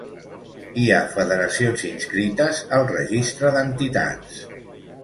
Hi ha federacions inscrites al Registre d'entitats.